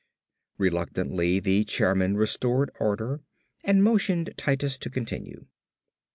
Reluctantly, the chairman restored order and motioned Titus to continue.